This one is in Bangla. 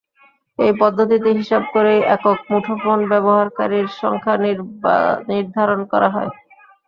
এই পদ্ধতিতে হিসাব করেই একক মুঠোফোন ব্যবহারকারীর সংখ্যা নির্ধারণ করা হয়।